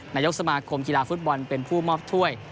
นายกสมาคมกีฬาฟุตบอลเป็นผู้มอบถ้วย